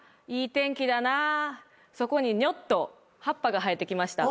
そこにニョッと葉っぱが生えてきました。